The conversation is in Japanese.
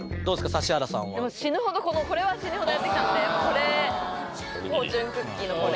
指原さんは死ぬほどこれは死ぬほどやってきたのでもうこれ「フォーチュンクッキー」のこれ？